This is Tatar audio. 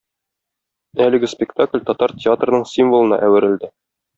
Әлеге спектакль татар театрының символына әверелде.